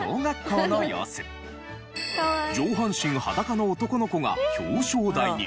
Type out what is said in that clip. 上半身裸の男の子が表彰台に。